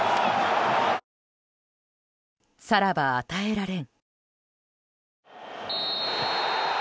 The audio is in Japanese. さらば与えられん。